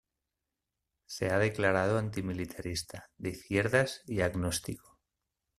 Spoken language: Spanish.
Se ha declarado antimilitarista, de izquierdas y agnóstico.